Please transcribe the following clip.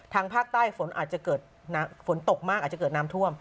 ภาคใต้ฝนอาจจะเกิดฝนตกมากอาจจะเกิดน้ำท่วม